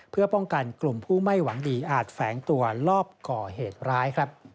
เพื่อป้องกันกลุ่มผู้ไม่หวังดีอาจแฝงตัวลอบก่อเหตุร้าย